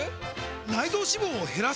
内臓脂肪を減らす！？